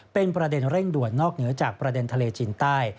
เป็นประเด็นเร่งด่วนนอกเหนือจากประเด็นทะเลจีนใต้